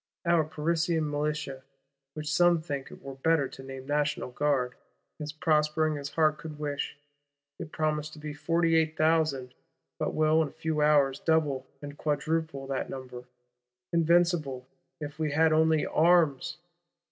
Our Parisian Militia,—which some think it were better to name National Guard,—is prospering as heart could wish. It promised to be forty eight thousand; but will in few hours double and quadruple that number: invincible, if we had only arms!